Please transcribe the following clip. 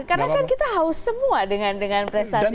karena kan kita haus semua dengan prestasi